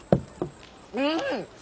うん！